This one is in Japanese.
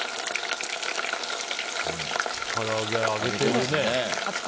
から揚げ、揚げてますね。